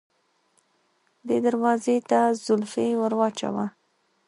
دې دروازې ته زولفی ور واچوه.